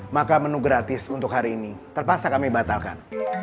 maka menu gratis untuk hari ini terpaksa kami batalkan